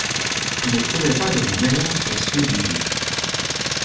Il ne trouvait pas des mots meilleurs que ceux des livres.